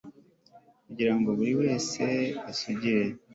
kugira ngo buri wese asugire